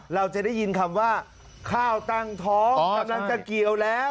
เราจะได้ยินคำว่าข้าวตั้งท้องกำลังจะเกี่ยวแล้ว